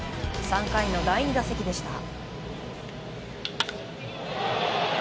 ３回の第２打席でした。